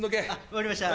分かりました。